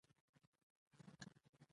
ژوند د انسان د صبر میوه ورکوي.